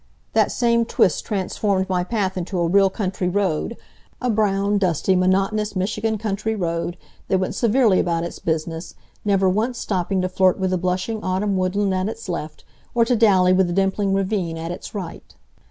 That same twist transformed my path into a real country road a brown, dusty, monotonous Michigan country road that went severely about its business, never once stopping to flirt with the blushing autumn woodland at its left, or to dally with the dimpling ravine at its right.